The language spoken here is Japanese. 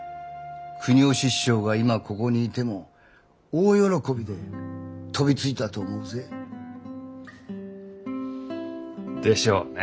国芳師匠が今ここにいても大喜びで飛びついたと思うぜ。でしょうね。